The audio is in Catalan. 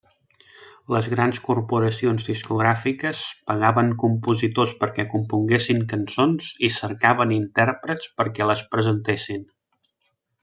Les grans corporacions discogràfiques pagaven compositors perquè componguessin cançons i cercaven intèrprets perquè les presentessin.